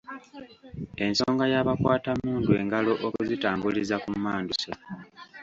Ensonga ya bakwatammundu engalo okuzitambuliza ku mmanduso